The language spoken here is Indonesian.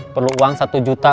perlu uang satu juta